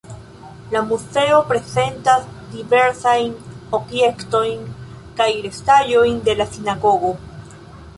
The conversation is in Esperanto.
La muzeo prezentas diversajn objektojn kaj restaĵojn de la sinagogo.